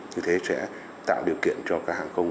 như thế sẽ tạo điều kiện cho các hàng không